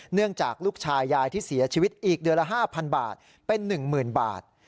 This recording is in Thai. เนื่องจากลูกชายยายที่เสียชีวิตอีกเดือนละ๕๐๐บาทเป็น๑๐๐๐บาท